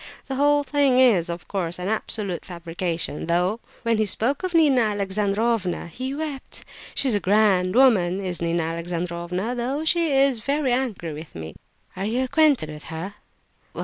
The whole thing is, of course, an absolute fabrication, though when he spoke of Nina Alexandrovna he wept! She's a grand woman, is Nina Alexandrovna, though she is very angry with me!" "Are you acquainted with her?"